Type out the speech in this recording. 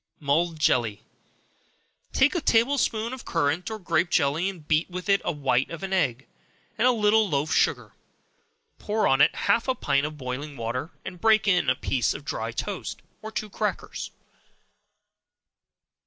Mulled Jelly. Take a table spoonful of currant or grape jelly, and beat with it the white of an egg, and a little loaf sugar; pour on it half a pint of boiling water, and break in a slice of dry toast, or two crackers.